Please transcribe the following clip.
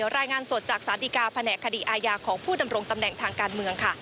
รายงานสดจากสารดีกาแผนกคดีอาญาของผู้ดำรงตำแหน่งทางการเมืองค่ะ